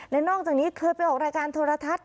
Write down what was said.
และนอกจากนี้เคยไปออกรายการโทรทัศน์